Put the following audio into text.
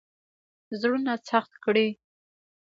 زړونه سخت کړي.